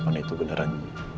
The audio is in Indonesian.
karena itu beneran